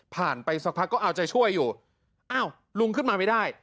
ไปสักพักก็เอาใจช่วยอยู่อ้าวลุงขึ้นมาไม่ได้